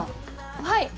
はい。